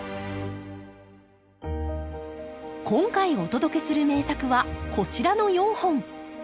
今回お届けする名作はこちらの４本。